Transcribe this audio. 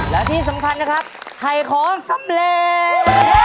และที่สำคัญนะครับไข่ของสำเร็จ